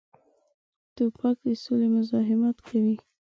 توپک د سولې مزاحمت کوي.